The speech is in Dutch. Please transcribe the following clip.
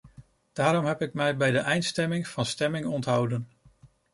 Daarom heb ik mij bij de eindstemming van stemming onthouden.